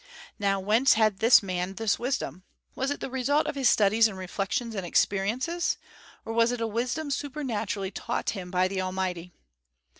Now, whence had this man this wisdom? Was it the result of his studies and reflections and experiences, or was it a wisdom supernaturally taught him by the Almighty?